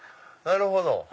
なるほど。